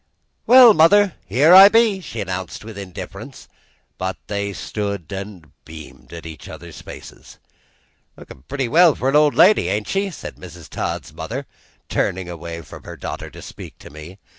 "Well, mother, here I be!" she announced with indifference; but they stood and beamed in each other's faces. "Lookin' pretty well for an old lady, ain't she?" said Mrs. Todd's mother, turning away from her daughter to speak to me.